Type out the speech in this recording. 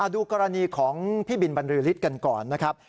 ดูกรณีของพี่บิลบันรือริฐกันก่อนนะครับ